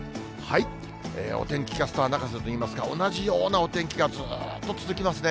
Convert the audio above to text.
お天気キャスター泣かせといいますか、同じようなお天気がずっと続きますね。